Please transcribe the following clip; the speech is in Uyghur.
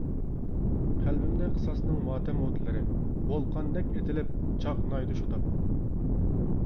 قەلبىمدە قىساسنىڭ ماتەم ئوتلىرى، ۋولقاندەك ئېتىلىپ چاقنايدۇ شۇ تاپ.